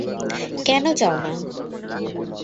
কেন চাও না।